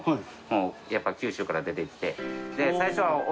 やっぱり九州から出てきて。